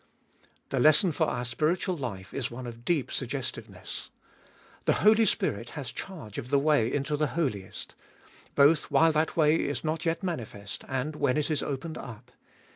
The lesson for our spiritual life is one of deep suggestiveness. The Holy Spirit has charge of the way into the Holiest ; both while that way is not yet manifest and when it is opened up.